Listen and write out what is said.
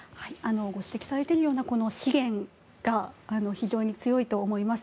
ご指摘されているような資源が非常に強いと思います。